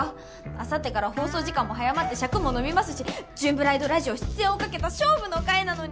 あさってから放送時間も早まって尺も伸びますし『ジューンブライドラジオ』出演をかけた勝負の回なのに。